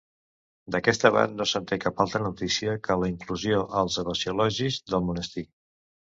D'aquest abat no se'n té cap altra notícia que la inclusió als abaciologis del monestir.